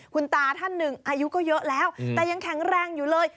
คุณตาท่านหนึ่งอายุก็เยอะแล้วแต่ยังแข็งแรงอยู่เลย